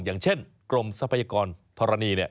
อย่างเช่นกรมทรัพยากรธรณี